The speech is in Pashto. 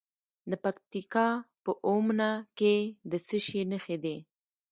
د پکتیکا په اومنه کې د څه شي نښې دي؟